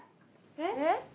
えっ？